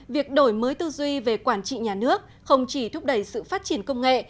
việc đổi mới tư duy về quản trị nhà nước không chỉ thúc đẩy sự phát triển công nghệ